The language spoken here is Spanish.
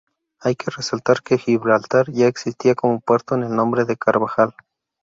Hay que resaltar que Gibraltar ya existía como puerto con el nombre de Carvajal.